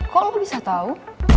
kok lo bisa tahu